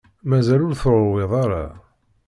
Mazal ur teṛwiḍ ara?